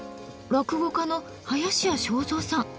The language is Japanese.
落語家の林家正蔵さん。